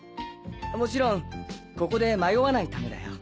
もちろんここで迷わないためだよ。